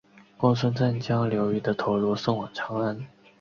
公孙瓒将刘虞的头颅送往长安。